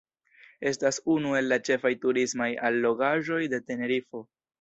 Estas unu el la ĉefaj turismaj allogaĵoj de Tenerifo.